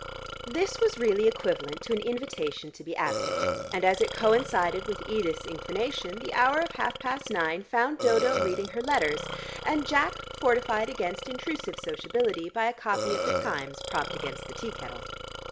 This was really equivalent to an invitation to be absent, and as it coincided with Edith's inclination, the hour of half past nine found Dodo reading her letters, and Jack, fortified against intrusive sociability by a copy of the Times propped against the tea kettle.